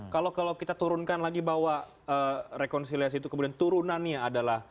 kalau kita turunkan lagi bahwa rekonsiliasi itu kemudian turunannya adalah